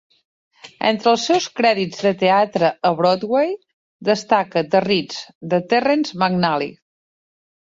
Entre els seus crèdits de teatre a Broadway destaca "The Ritz" de Terrence McNally.